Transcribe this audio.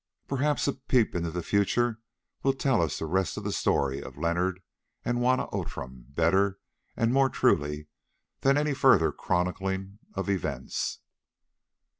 Perhaps a peep into the future will tell us the rest of the story of Leonard and Juanna Outram better and more truly than any further chronicling of events.